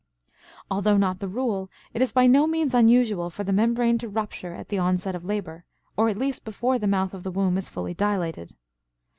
Although not the rule, it is by no means unusual for the membrane to rupture at the onset of labor, or at least before the mouth of the womb is fully dilated.